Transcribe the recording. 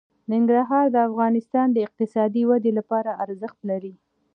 ننګرهار د افغانستان د اقتصادي ودې لپاره ارزښت لري.